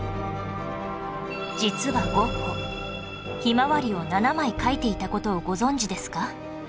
実はゴッホ『ひまわり』を７枚描いていた事をご存じですか？